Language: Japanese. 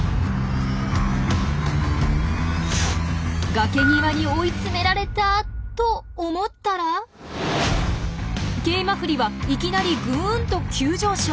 崖際に追い詰められたと思ったらケイマフリはいきなりぐんと急上昇！